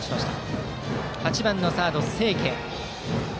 打席は８番のサード、清家。